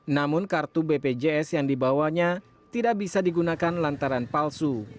namun kartu bpjs yang dibawanya tidak bisa digunakan lantaran palsu